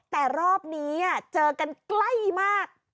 แต่รอบนี้เจอกันใกล้มาก